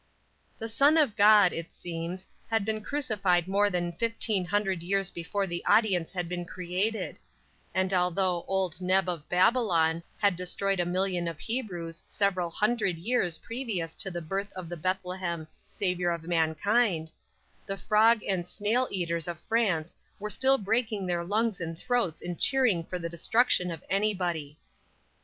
The "Son of God," it seems, had been crucified more than fifteen hundred years before the audience had been created; and although "Old Neb" of Babylon had destroyed a million of Hebrews several hundred years previous to the birth of the Bethlehem "Savior of Mankind," the "frog" and "snail" eaters of France were still breaking their lungs and throats in cheering for the destruction of anybody!